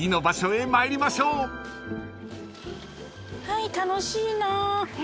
はい楽しいな。